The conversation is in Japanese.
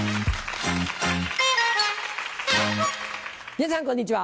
皆さんこんにちは。